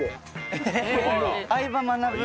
『相葉マナブ』で。